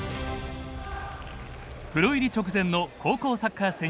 プロ入り直前の高校サッカー選手権。